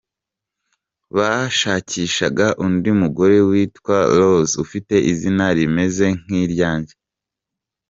Bashakishaga undi mugore witwa Rose, ufite izina rimeze nk’iryanjye.